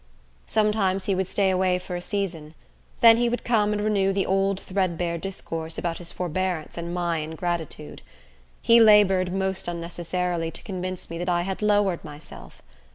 Sometimes he would stay away for a season. Then he would come and renew the old threadbare discourse about his forbearance and my ingratitude. He labored, most unnecessarily, to convince me that I had lowered myself.